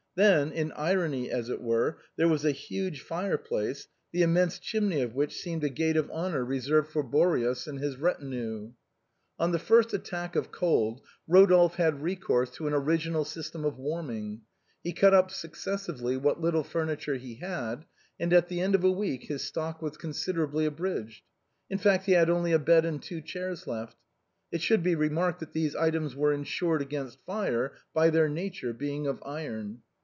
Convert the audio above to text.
Then, in irony as it were, there was a huge fire place, the immense chimney of which seemed a gate of honor reserved for Boreas and his retinue. On the first attack of cold, Rodolphe had recourse to an original system of warming; he cut up successively what little furniture he had, and at the end of a week his stock was considerably abridged; in fact, he had only a bed and two chairs left; it should be remarked that these three articles were insured against fire by their nature, being of iron.